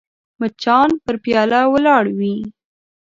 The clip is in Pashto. مچان پر پیاله ولاړ وي